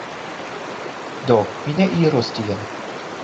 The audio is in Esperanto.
Do, mi ne iros tien